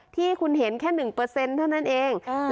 ที่คุณเห็นแค่หนึ่งเปอร์เซ็นต์เท่านั้นเองอ่า